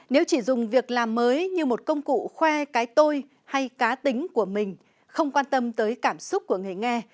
nếu chỉ dùng việc làm mới như một công cụ khoe cái tôi hay cá tính của mình không quan tâm tới cảm xúc của người nghe